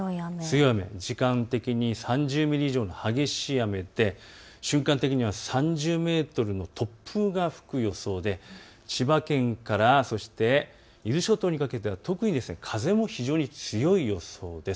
時間的に３０ミリ以上の激しい雨で瞬間的には３０メートルの突風が吹く予想で千葉県から伊豆諸島にかけては特に風も非常に強い予想です。